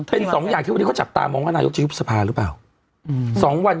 เป็นสองอย่างที่วันนี้เขาจับตามองว่านายกจะยุบสภาหรือเปล่า